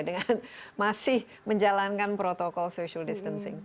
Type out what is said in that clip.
dengan masih menjalankan protokol social distancing